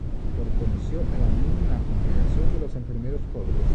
Perteneció a la Mínima Congregación de los Enfermeros Pobres.